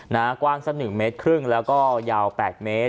กว้างสักหนึ่งเมตรครึ่งแล้วก็ยาว๘เมตร